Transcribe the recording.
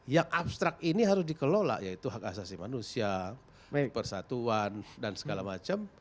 yang abstrak ini harus dikelola yaitu hak asasi manusia persatuan dan segala macam